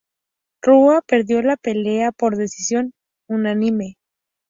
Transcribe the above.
Rua perdió la pelea por decisión unánime.